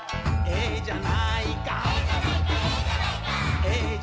「ええじゃないか」